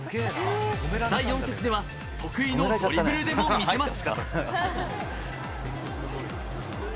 第４節では得意のドリブルでも見せます。